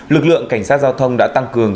lực lượng cảnh sát giao thông đã tăng cường